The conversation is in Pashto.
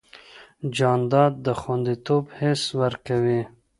جانداد د خوندیتوب حس ورکوي.